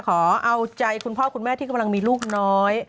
ขอเอาใจคุณพ่อคุณแม่ที่กำลังมีลูกน้อย